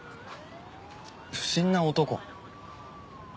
不審な男？